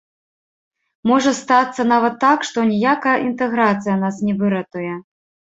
Можа стацца нават так, што ніякая інтэграцыя нас не выратуе.